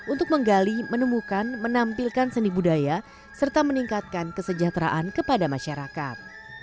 untuk menggali menemukan menampilkan seni budaya serta meningkatkan kesejahteraan kepada masyarakat